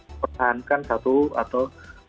mempertahankan satu atau